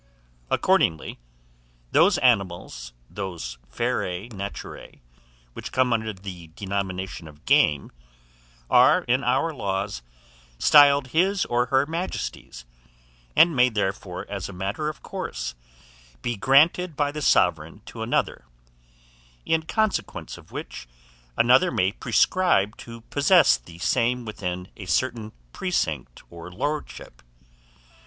Accordingly, those animals, those ferae naturae, which come under the denomination of game, are, in our laws, styled his or her majesty's, and may therefore, as a matter of course, be granted by the sovereign to another; in consequence of which another may prescribe to possess the same within a certain precinct or lordship.